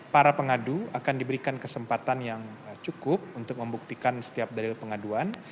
para pengadu akan diberikan kesempatan yang cukup untuk membuktikan setiap dalil pengaduan